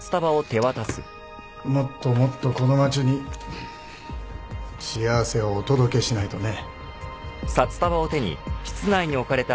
もっともっとこの街に幸せをお届けしないとね。